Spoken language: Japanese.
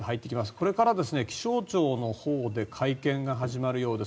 これから気象庁のほうで会見が始まるようです。